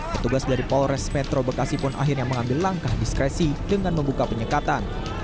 petugas dari polres metro bekasi pun akhirnya mengambil langkah diskresi dengan membuka penyekatan